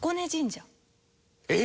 えっ！